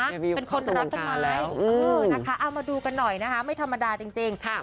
เดบิวเข้าสู่วงการแล้วเออนะคะเอามาดูกันหน่อยนะคะไม่ธรรมดาจริงจริงครับ